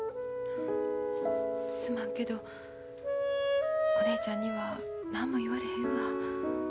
すまんけどお姉ちゃんには何も言われへんわ。